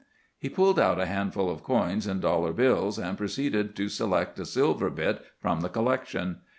He pulled out a handful of coins and dollar bills, and proceeded to select a silver bit from the collection.